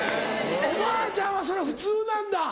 おばあちゃんはそれが普通なんだ。